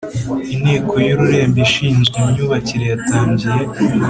Inteko y Ururembo ishinzwe imyubakire yatangiye